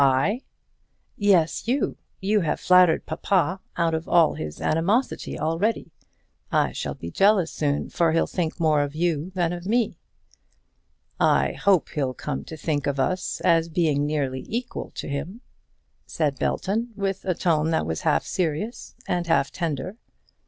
I?" "Yes, you. You have flattered papa out of all his animosity already. I shall be jealous soon; for he'll think more of you than of me." "I hope he'll come to think of us as being nearly equally near to him," said Belton, with a tone that was half serious and half tender.